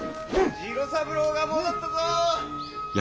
・次郎三郎が戻ったぞ。